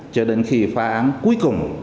cho đến khi phá án cuối cùng